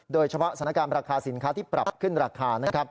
โดยเฉพาะสถานการณ์ราคาสินค้าที่ปรับขึ้นราคา